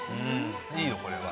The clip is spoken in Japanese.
いいよこれは。